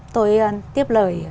tôi tiếp lời